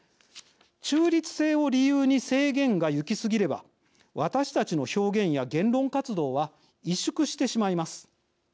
中立性を理由に制限が行き過ぎれば私たちの表現や言論活動は萎縮してしまいます。